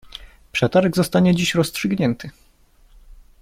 Przetarg zostanie dziś rozstrzygnięty.